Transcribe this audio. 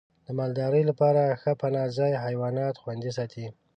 د مالدارۍ لپاره ښه پناه ځای حیوانات خوندي ساتي.